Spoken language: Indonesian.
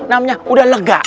namanya udah lega